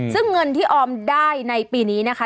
ซึ่งเงินที่ออมได้ในปีนี้นะคะ